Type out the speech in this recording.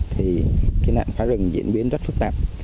thì cái nạn phá rừng diễn biến rất phức tạp